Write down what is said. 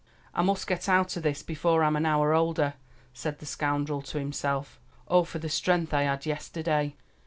"I must get out o' this before I'm an hour older," said the scoundrel to himself. "Oh, for the strength I had yesterday!"